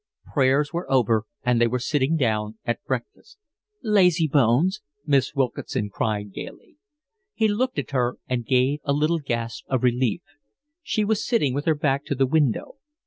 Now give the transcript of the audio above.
Prayers were over, and they were sitting down at breakfast. "Lazybones," Miss Wilkinson cried gaily. He looked at her and gave a little gasp of relief. She was sitting with her back to the window.